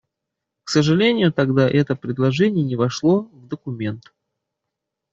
К сожалению, тогда это предложение не вошло в документ.